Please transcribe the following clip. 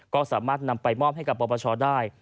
ก็สามารถนำไปมอบให้กับปปชได้